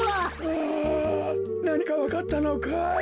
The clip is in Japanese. あなにかわかったのかい？